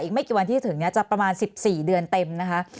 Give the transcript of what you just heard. อีกไม่กี่วันที่ถึงเนี่ยจะประมาณ๑๔เดือนเต็มนะคะ